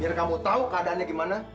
biar kamu tahu keadaannya gimana